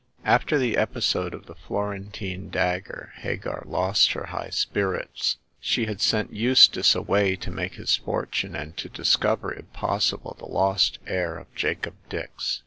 After the episode of the Florentine Dante, Hagar lost her high spirits. She had sent Eus tace away t make his fortune, and to discover, if possible, the lost heir of Jacob Dix.